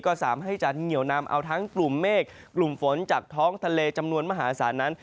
ก็สามารถให้จะเหนียวนำเอาทั้งกลุ่มเมฆกลุ่มฝนจากท้องทะเลจำนวนมหาศาลนั้น